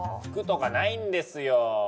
服とかないんですよ。